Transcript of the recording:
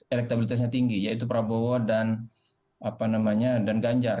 elektabilitasnya tinggi yaitu prabowo dan ganjar